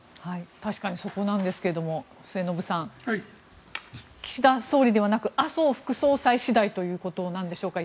確かにそこなんですが末延さん、岸田総理ではなく麻生副総裁次第ということなんでしょうか。